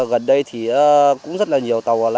gần đây thì cũng rất là nhiều tàu